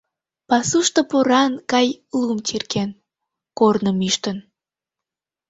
Пасушто поран гай лум тӱрген, корным ӱштын.